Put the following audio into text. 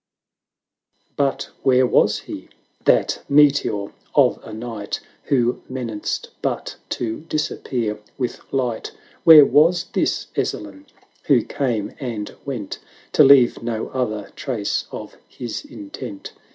VI. But where was he? that meteor of a night. Who menaced but to disappear with light. Where was this Ezzelin ? who came and went. To leave no other trace of his intent.